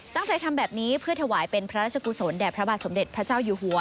ตั้งใจทำแบบนี้เพื่อถวายเป็นพระราชกุศลแด่พระบาทสมเด็จพระเจ้าอยู่หัว